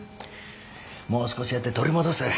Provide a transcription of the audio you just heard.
もう少しやって取り戻せ。